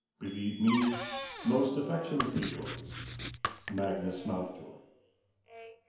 Believe me, most affectionately yours, MAGNUS MOUNTJOY.